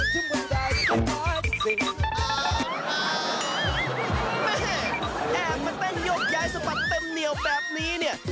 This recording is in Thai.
แม่แอบมาเต้นยกย้ายสะบัดเต็มเหนียวแบบนี้เนี่ย